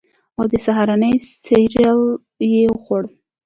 او د سهارنۍ سیریل یې خوړل